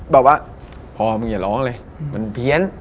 บอกว่าพอมึงอย่าร้องเลยมันเพี้ยน